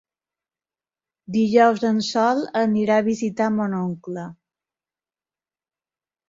Dijous en Sol anirà a visitar mon oncle.